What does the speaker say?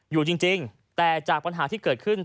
อยู่จริงแต่จากปัญหาที่เกิดขึ้น